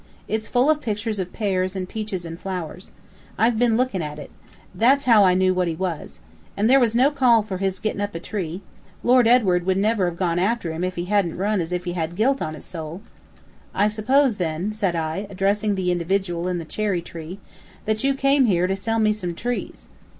It's full of pictures of pears and peaches and flowers. I've been lookin' at it. That's how I knew what he was. And there was no call for his gittin' up a tree. Lord Edward never would have gone after him if he hadn't run as if he had guilt on his soul." "I suppose, then," said I, addressing the individual in the cherry tree, "that you came here to sell me some trees."